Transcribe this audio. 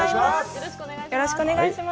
よろしくお願いします。